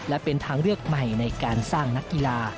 และเป็นทางเลือกใหม่ในการสร้างนักกีฬา